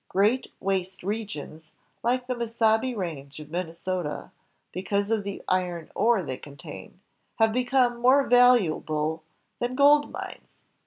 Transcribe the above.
Great waste regions, like the Mesabi Range of Minnesota, because of the iron ore they contain, have become more valuable than gold mines.